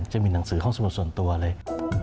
จะมีหนังสือของส่วนตัวเลย